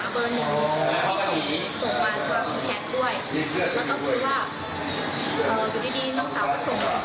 แล้วเพื่อนเขาก็ว่าอะไรประมาณนี้ทำไมต้องส่งอะไรประมาณนี้